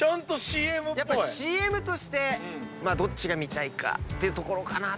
ＣＭとしてどっちが見たいかっていうところかなって。